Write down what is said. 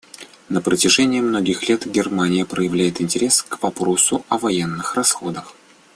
На протяжении многих лет Германия проявляет интерес к вопросу о военных расходах.